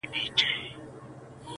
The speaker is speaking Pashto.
هوسۍ ولاړه يوې ليري كنډوالې ته!.